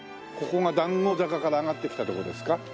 ここが団子坂から上がってきた所ですか？